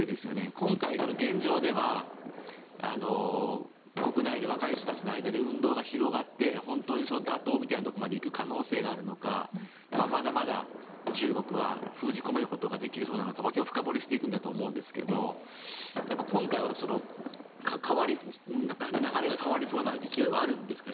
今回、現状では国内で若い人たちの間で運動が広がって本当に打倒というところまで行く可能性があるのかまだまだ中国は封じ込めることができそうかなど今日は深掘りしていくんだと思いますが今回は流れが変わりそうな勢いはあるんですかね？